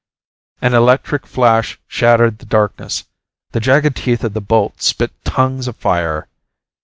An electric flash shattered the darkness. The jagged teeth of the bolt spit tongues of fire.